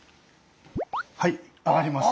はい上がります。